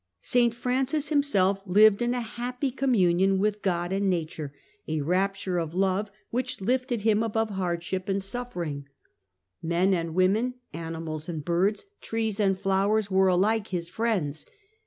St Francis himself lived in a happy communion with God and nature, a rapture of love, which lifted him THE COMING OF THE FRlAHS 231 above hardship and suffering. Men and women, animals and birds, trees and flowers, were alike his friends.